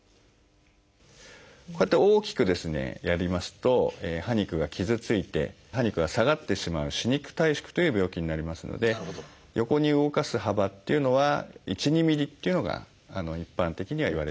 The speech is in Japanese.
こうやって大きくですねやりますと歯肉が傷ついて歯肉が下がってしまう「歯肉退縮」という病気になりますので横に動かす幅っていうのは１２ｍｍっていうのが一般的にはいわれております。